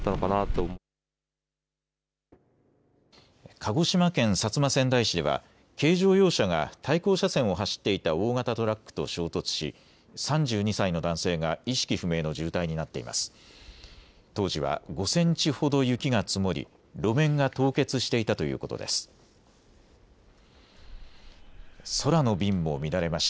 鹿児島県薩摩川内市では軽乗用車が対向車線を走っていた大型トラックと衝突し３２歳の男性が意識不明の重体になっています。